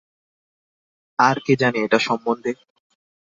আর কে জানে এটা সম্বন্ধে?